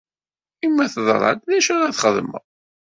I ma teḍra-d, d acu ara txedmeḍ?